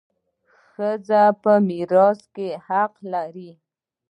ښځه په میراث کي حق لري.